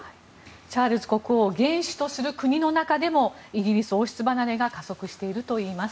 チャールズ国王元首とする国の中でもイギリス王室離れが加速しているといいます。